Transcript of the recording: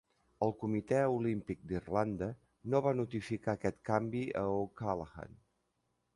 El Comitè Olímpic d'Irlanda no va notificar aquest canvi a O'Callaghan.